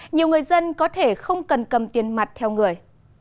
nhiều người dân có thể không cần cầm tiền mặt theo người